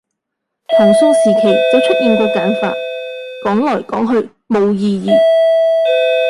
唐宋時期就出現過簡化，講來講去冇意義